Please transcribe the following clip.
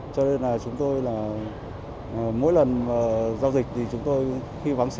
cho nên là chúng tôi là mỗi lần giao dịch thì chúng tôi khi vắng xe